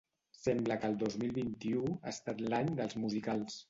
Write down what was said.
Sembla que el dos mil vint-i-u ha estat l’any dels musicals.